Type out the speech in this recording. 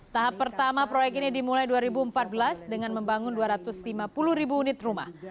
tahap pertama proyek ini dimulai dua ribu empat belas dengan membangun dua ratus lima puluh ribu unit rumah